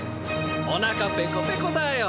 お腹ペコペコだよ。